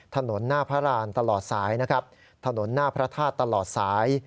ถนนหน้าพระราณตลอดสายนะครับถนนหน้าพระธาตุตลอดสาย